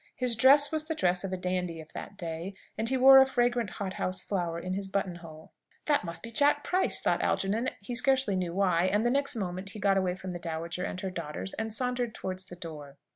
His dress was the dress of a dandy of that day, and he wore a fragrant hothouse flower in his button hole. "That must be Jack Price!" thought Algernon, he scarcely knew why; and the next moment he got away from the dowager and her daughters, and sauntered towards the door.